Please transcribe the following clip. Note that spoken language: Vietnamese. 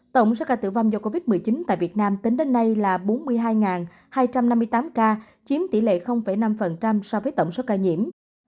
tổng số ca tử vong do covid một mươi chín tại việt nam tính đến nay là bốn mươi hai hai trăm năm mươi tám ca chiếm tỷ lệ năm so với tổng số ca nhiễm